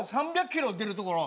３００キロ出るところ。